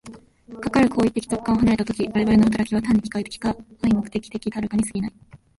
かかる行為的直観を離れた時、我々の働きは単に機械的か合目的的たるかに過ぎない。